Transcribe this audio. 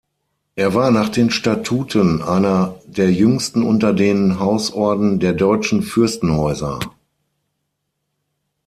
Er war nach den Statuten einer der jüngsten unter den Hausorden der deutschen Fürstenhäuser.